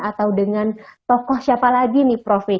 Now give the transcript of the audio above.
atau dengan tokoh siapa lagi nih prof